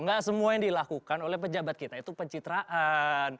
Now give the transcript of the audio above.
nggak semua yang dilakukan oleh pejabat kita itu pencitraan